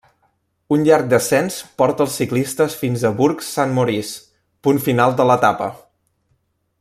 Un llarg descens porta els ciclistes fins a Bourg-Saint-Maurice, punt final de l'etapa.